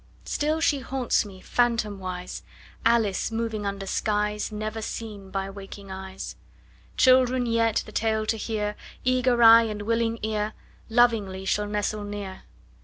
Still she haunts me, phantomwise, Alice moving under skies Never seen by waking eyes. Children yet, the tale to hear, Eager eye and willing ear, Lovingly shall nestle near.